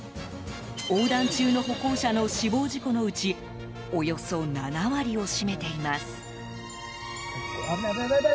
横断中の歩行者の死亡事故のうちおよそ７割を占めています。